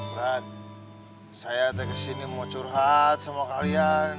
pak saya udah kesini mau curhat sama kalian